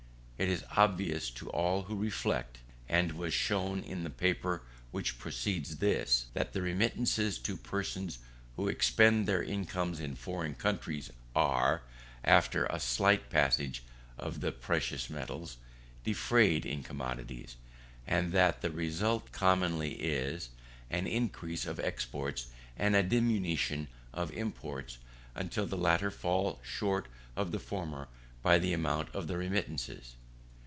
It is obvious to all who reflect (and was shown in the paper which precedes this) that the remittances to persons who expend their incomes in foreign countries are, after a slight passage of the precious metals, defrayed in commodities: and that the result commonly is, an increase of exports and a diminution of imports, until the latter fall short of the former by the amount of the remittances.